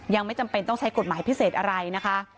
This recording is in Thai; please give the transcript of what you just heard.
ยังไม่จำเป็นต้องใช้กฎหมายพิเศษอะไรนะคะ